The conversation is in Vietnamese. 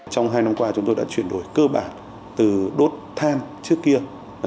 trong hai năm qua chúng tôi đã chuyển đổi cơ bản từ đốt than trước kia